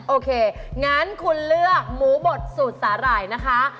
โอเคงั้นคุณเลือกหมูบดสูตรสาหร่ายนะคะ